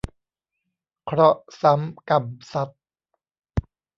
เคราะห์ซ้ำกรรมซัด